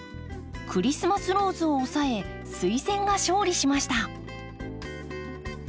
クリスマスローズを押さえスイセンが勝利しました。